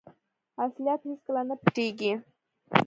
اصلیت هیڅکله نه پټیږي.